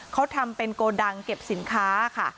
เขาทำเป็นโกดังเก็บสินค้าค่ะ